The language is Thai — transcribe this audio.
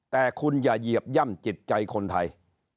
แต่คุณอย่าเหยียบย่ำจิตใจคนไทย